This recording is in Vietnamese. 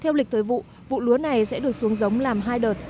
theo lịch thời vụ vụ lúa này sẽ được xuống giống làm hai đợt